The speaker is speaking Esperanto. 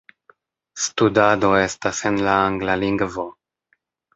Studado estas en la angla lingvo.